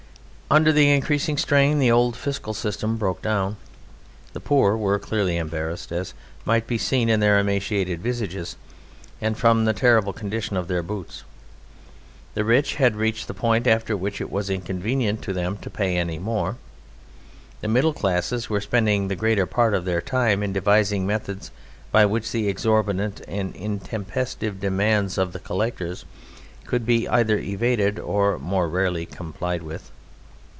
Under the increasing strain the old fiscal system broke down. The poor were clearly embarrassed, as might be seen in their emaciated visages and from the terrible condition of their boots. The rich had reached the point after which it was inconvenient to them to pay any more. The middle classes were spending the greater part of their time in devising methods by which the exorbitant and intempestive demands of the collectors could be either evaded or, more rarely, complied with.